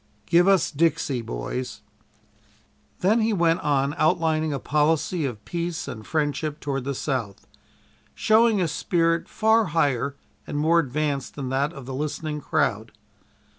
"GIVE US 'DIXIE,' BOYS!" Then he went on outlining a policy of peace and friendship toward the South showing a spirit far higher and more advanced than that of the listening crowd.